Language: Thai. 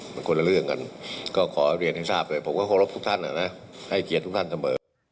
มันคนละเรื่องกันก็ขอเรียนให้ทราบเลยผมก็เคารพทุกท่านให้เกียรติทุกท่านเสมอ